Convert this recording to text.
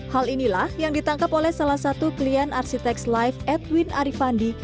hal inilah yang ditangkap oleh salah satu klien arsiteks live edwin arifandi